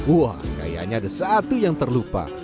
wah kayaknya ada satu yang terlupa